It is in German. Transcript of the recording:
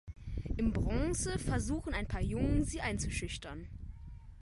Im Bronze versuchen ein paar Jungen, sie einzuschüchtern.